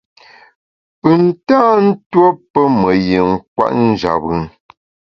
Pùn tâ ntuo pe me yin kwet njap bùn.